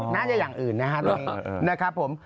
น่าจะอย่างอื่นนะครับ